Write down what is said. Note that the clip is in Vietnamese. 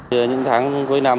trên những tháng cuối năm